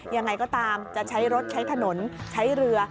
ยังไงก็ตามจะใช้รถใช้ถนนใช้เรือ